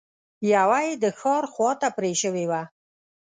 يوه يې د ښار خواته پرې شوې وه.